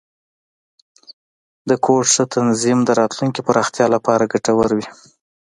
د کوډ ښه تنظیم، د راتلونکي پراختیا لپاره ګټور وي.